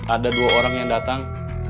ada dua orang yang datang